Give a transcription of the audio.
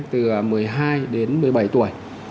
từ một mươi hai đến một mươi hai tuổi trở lên